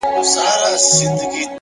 د حقیقت رڼا شکونه کموي!